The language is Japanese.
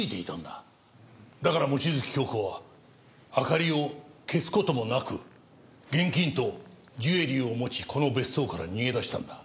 だから望月京子は明かりを消す事もなく現金とジュエリーを持ちこの別荘から逃げ出したんだ。